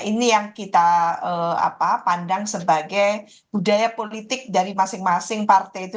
ini yang kita pandang sebagai budaya politik dari masing masing partai itu